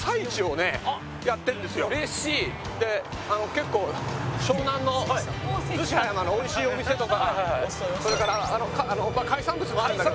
結構湘南の逗子葉山の美味しいお店とかそれから海産物もあるんだけど。